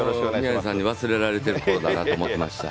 宮根さんに忘れられてるころだなと思ってました。